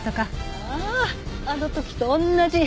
あああの時と同じ！